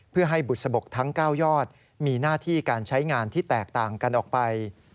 เพื่อให้บุษบกทั้ง๙ยอดมีหน้าที่การใช้งานที่แตกต่างกันออกไป